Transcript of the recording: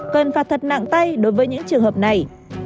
cần phạt thật nặng tay đối với những trường hợp này